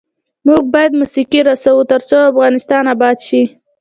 موږ باید موسیقي رسوو ، ترڅو افغانستان اباد شي.